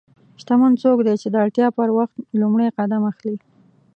شتمن څوک دی چې د اړتیا پر وخت لومړی قدم اخلي.